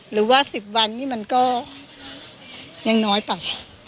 หรือว่า๑๐วันนี่มันก็ยังน้อยไป